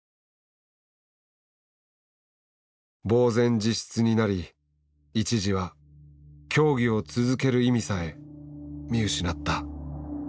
茫然自失になり一時は競技を続ける意味さえ見失った。